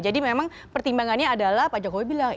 jadi memang pertimbangannya adalah pak jokowi bilang